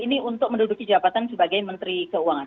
ini untuk menduduki jabatan sebagai menteri keuangan